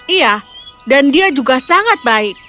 iya dan dia juga sangat baik